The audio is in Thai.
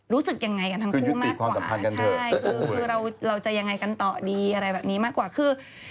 รู้สึกยังไงกันทั้งคู่มากกว่าใช่คือเราจะยังไงกันต่อดีอะไรแบบนี้มากกว่าคือ